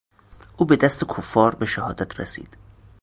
او به دست کفار به شهادت رسید.